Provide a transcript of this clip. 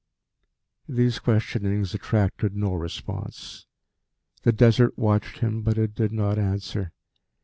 These questionings attracted no response. The Desert watched him, but it did not answer.